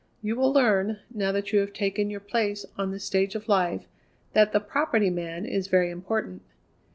You will learn, now that you have taken your place on the stage of life, that the Property Man is very important."